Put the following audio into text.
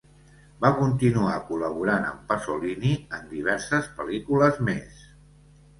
Va continuar col·laborant amb Pasolini en diverses pel·lícules més.